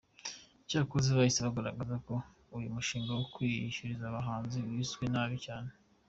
Cyakoze bahise bagaragaza ko uyu mushinga wo kwishyuriza abahanzi wizwe nabi cyane.